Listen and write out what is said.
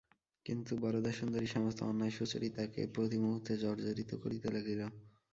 কিন্তু বরদাসুন্দরীর সমস্ত অন্যায় সুচরিতাকে প্রতি মুহূর্তে জর্জরিত করিতে লাগিল।